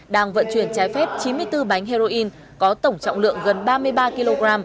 đang vận chuyển trái phép chín mươi bốn bánh heroin có tổng trọng lượng gần ba mươi ba kg